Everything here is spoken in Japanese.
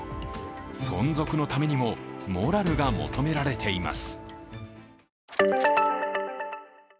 存続のためにも、モラルが求められています。